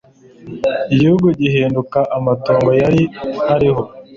igihugu gihinduka amatongo yari ariho.